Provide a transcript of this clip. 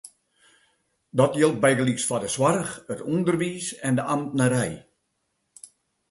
Dat jildt bygelyks foar de soarch, it ûnderwiis, en de amtnerij.